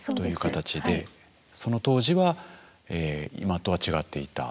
その当時は今とは違っていた？